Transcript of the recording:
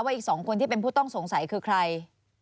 อีก๒คนที่เป็นผู้ต้องสงสัยคือใคร